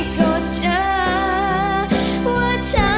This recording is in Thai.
ขอบคุณค่ะ